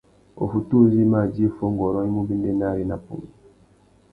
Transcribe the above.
Uffutu uzú i mà djï fuongôrông i mú béndénari nà pungüi.